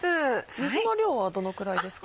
水の量はどのくらいですか？